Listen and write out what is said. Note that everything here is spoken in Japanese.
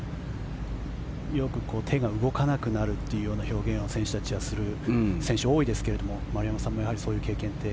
よく手が動かなくなるという表現を選手たちはする選手が多いですが丸山さんもやはりそういう経験って。